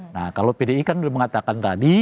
nah kalau pdi kan sudah mengatakan tadi